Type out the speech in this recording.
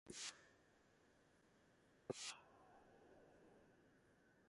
Both were found wrapped in linen.